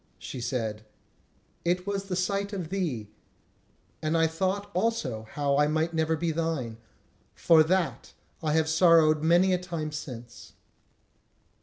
She said: "It was the sight of thee; and I thought also how I might never be thine. For that I have sorrowed many a time since."